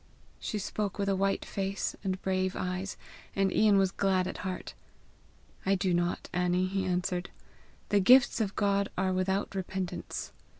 She spoke with a white face and brave eyes, and Ian was glad at heart. "I do not, Annie," he answered. "'The gifts of God are without repentance.'